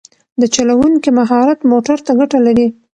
د چلوونکي مهارت موټر ته ګټه لري.